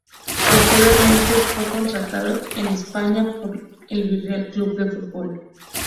Posteriormente, fue contratado en España por el Villarreal Club de Fútbol.